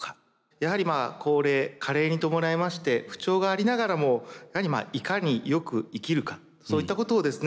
やはりまあ高齢加齢に伴いまして不調がありながらもやはりいかによく生きるかそういったことをですね